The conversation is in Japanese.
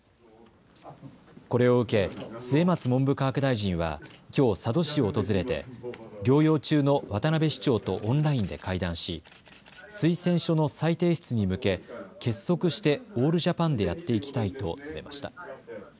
これを受け末松文部科学大臣はきょう佐渡市を訪れて療養中の渡辺市長とオンラインで会談し推薦書の再提出に向け結束してオールジャパンでやっていきたいと述べました。